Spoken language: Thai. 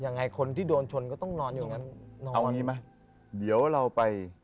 ยังไงคนที่โดนชนก็ต้องนอนอย่างนั้นนอนเอาอย่างงี้ไหมเดี๋ยวเราไป